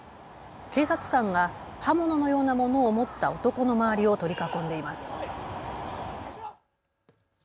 警察官が刃物のようなものを持った男の周りを取り囲んでいます。